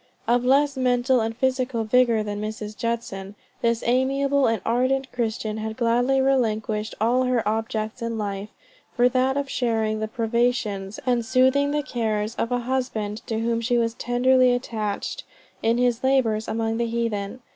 Of less mental and physical vigor than Mrs. Judson, this amiable and ardent Christian had gladly relinquished all other objects in life, for that of sharing the privations and soothing the cares of a husband to whom she was tenderly attached, in his labors among the heathen.